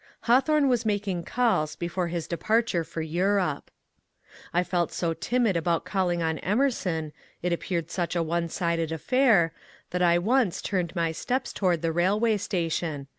Hawthorne was making calls before his departure for Europe. I felt so timid about calling on Emerson — it appeared such a one sided affair — that I once turned my steps toward the railway station.